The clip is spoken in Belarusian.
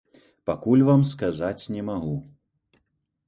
Пакуль вам сказаць не магу.